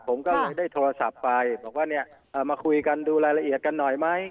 ผมก็เลยได้โทรศัพท์ไปบอกว่าเนี่ยมาคุยกันดูรายละเอียดกันหน่อยไหม